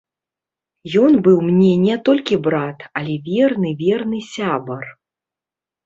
Ён быў мне не толькі брат, але верны-верны сябар.